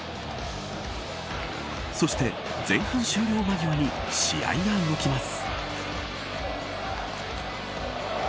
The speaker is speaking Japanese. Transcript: そして、前半終了間際に試合が動きます。